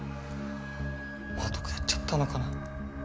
どっかやっちゃったのかな